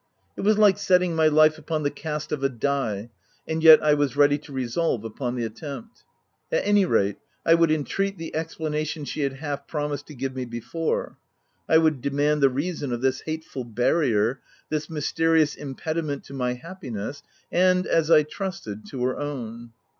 It was like setting my life upon the cast of a die ; and yet, I was ready to resolve upon the at tempt. At any rate I would entreat the expla nation she had half promised to give me be fore : I would demand the reason of this hate ful barrier, this mysterious impediment to my happiness and, as I trusted, to her own.